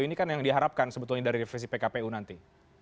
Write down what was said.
ini kan yang diharapkan sebetulnya dari revisi pkpu nanti